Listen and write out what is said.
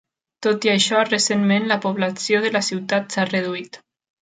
Tot i això, recentment la població de la ciutat s'ha reduït.